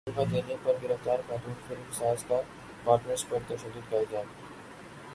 دھوکا دینے پر گرفتار خاتون فلم ساز کا پارٹنر پر تشدد کا الزام